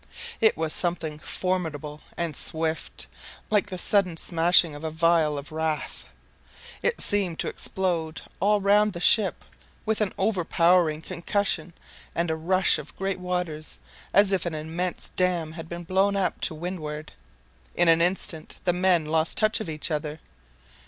It was something formidable and swift, like the sudden smashing of a vial of wrath. It seemed to explode all round the ship with an overpowering concussion and a rush of great waters, as if an immense dam had been blown up to windward. In an instant the men lost touch of each other.